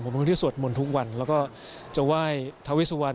ผมเป็นคนที่สวดมนต์ทุกวันแล้วก็จะไหว้ทาเวสุวรรณ